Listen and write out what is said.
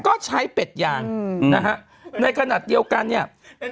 ก็ใช้เป็ดยางนะฮะในขณะเดียวกันเนี่ย